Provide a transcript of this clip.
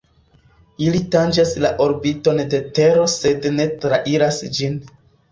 Ili tanĝas la orbiton de Tero sed ne trairas ĝin.